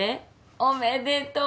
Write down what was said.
おめでとう！